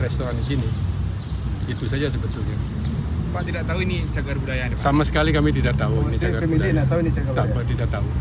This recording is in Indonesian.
setelah sasiang ketua fraksi pdi perjuangan dpr ri